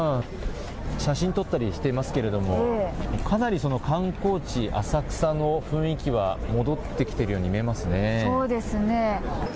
写真撮ったりしていますけれども観光地、浅草の雰囲気は戻ってきているように見えますね。